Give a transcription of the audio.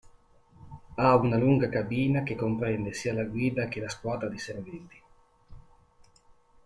Ha una lunga cabina che comprende sia la guida che la squadra di serventi.